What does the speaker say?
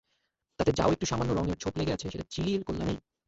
তাতে যা-ও একটু সামান্য রঙের ছোপ লেগে আছে, সেটা চিলির কল্যাণেই।